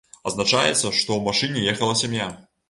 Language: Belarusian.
Адзначаецца, што ў машыне ехала сям'я.